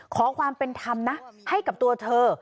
ขอความเป็นธรรมนะให้กับตัวเธอ